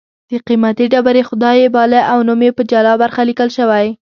د قېمتي ډبرې خدای یې باله او نوم یې په جلا برخه لیکل شوی